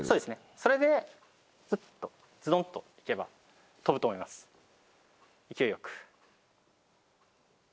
それでフッとズドンと行けば跳ぶと思います勢いよく。